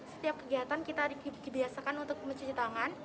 setiap kegiatan kita dibiasakan untuk mencuci tangan